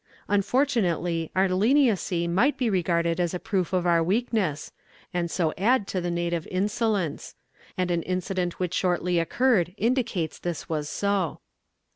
"Unfortunately our leniency might be regarded as a proof of our weakness, and so add to the native insolence; and an incident which shortly occurred indicates this was so.